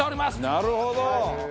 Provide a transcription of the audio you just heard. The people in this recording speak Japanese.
なるほど！